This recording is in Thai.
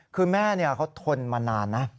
คือแม่เขาทนมานานนะ